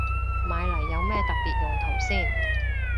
買嚟有咩特別用途先